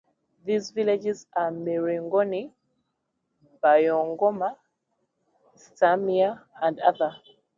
These villages are Miringoni, Boingoma, Itsamia, and other.